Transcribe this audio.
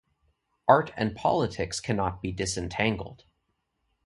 Art and politics cannot be disentangled.